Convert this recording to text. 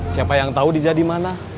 siapa yang tau dija dimana